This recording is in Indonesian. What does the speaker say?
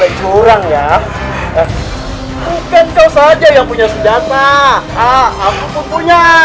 ibu nang akan selamatkan ibu